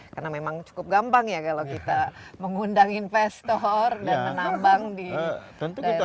karena memang cukup gampang ya kalau kita mengundang investor dan menambang di daerah